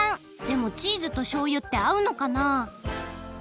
でもチーズとしょうゆってあうのかな？